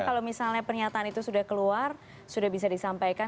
karena pernyataan itu sudah keluar sudah bisa disampaikan